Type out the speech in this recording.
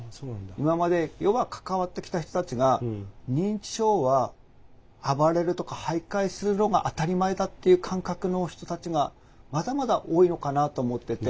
今まで要は関わってきた人たちが認知症は暴れるとか徘徊するのが当たり前だっていう感覚の人たちがまだまだ多いのかなと思ってて。